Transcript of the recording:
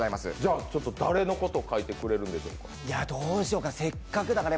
誰のことを描いてくれるんでしょうか。